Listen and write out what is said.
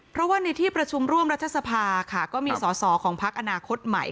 เพราะว่าในที่ประชุมร่วมรัฐสภาค่ะก็มีสอสอของพักอนาคตใหม่